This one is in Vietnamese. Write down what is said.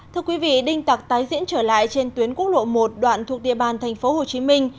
thưa quý vị đinh tặc tái diễn trở lại trên tuyến quốc lộ một đoạn thuộc địa bàn thành phố hồ chí minh